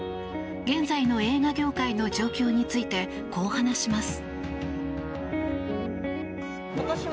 現在の映画業界の状況についてこう話します。